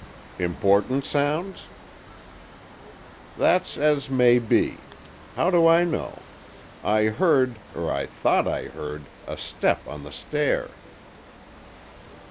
"Important sounds?" "That's as may be. How do I know? I heard, or I thought I heard, a step on the stair."